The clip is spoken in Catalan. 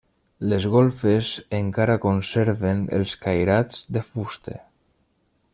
Les golfes encara conserven els cairats de fusta.